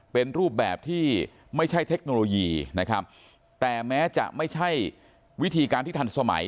เป็นรูปแบบที่ไม่ใช่เทคโนโลยีนะครับแต่แม้จะไม่ใช่วิธีการที่ทันสมัย